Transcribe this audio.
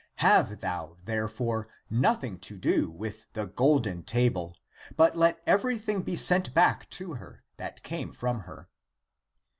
Have thou therefore ^^ nothing to do with the golden table, but let everything be sent back to her, that came from her."